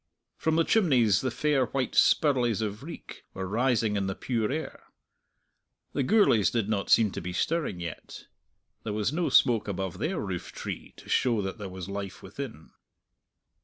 From the chimneys the fair white spirlies of reek were rising in the pure air. The Gourlays did not seem to be stirring yet; there was no smoke above their roof tree to show that there was life within.